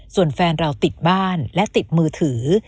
ส่วนแฟนเราติดบ้านและติดมือถือ